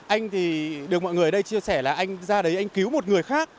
anh thì được mọi người ở đây chia sẻ là anh ra đấy anh cứu một người khác